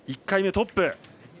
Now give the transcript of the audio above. １回目トップ。